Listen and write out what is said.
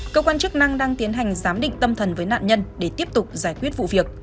cơ quan chức năng đang tiến hành giám định tâm thần với nạn nhân để tiếp tục giải quyết vụ việc